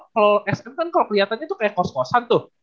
kalo sm kan kalo keliatannya tuh kayak kos kosan tuh